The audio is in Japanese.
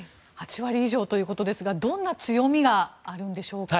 ８割以上ということですがどんな強みがあるんでしょうか。